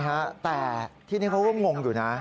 แต่ที่นี่เขาก็งงอยู่นะ